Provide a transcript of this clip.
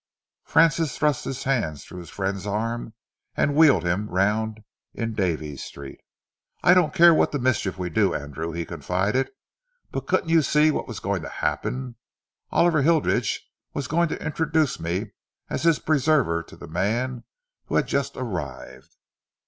Francis thrust his hand through his friend's arm and wheeled him round into Davies Street. "I don't care what the mischief we do, Andrew," he confided, "but couldn't you see what was going to happen? Oliver Hilditch was going to introduce me as his preserver to the man who had just arrived!"